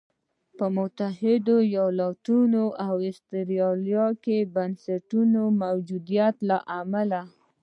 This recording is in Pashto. په متحده ایالتونو او اسټرالیا کې د بنسټونو موجودیت له امله.